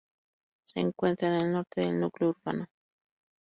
Se encuentra en el norte del núcleo urbano.